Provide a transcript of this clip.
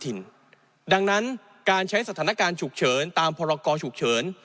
ดังนั้นการใช้สถานการณ์ฉุกเฉินตามพรกรฉุกเฉิน